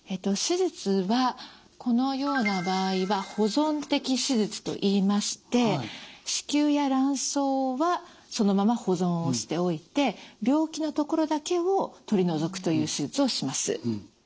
手術はこのような場合は保存的手術といいまして子宮や卵巣はそのまま保存しておいて病気の所だけを取り除くという手術をします。